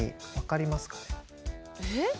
えっ？